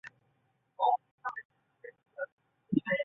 保桑尼阿斯曾对其有所记述。